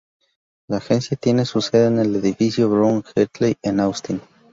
La agencia tiene su sede en el Edificio Brown-Heatley en Austin.